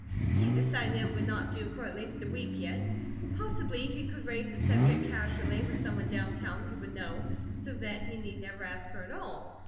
He decided it would not do for at least a week yet; possibly he could raise the subject casually with someone down town who would know, so that he need never ask her at all.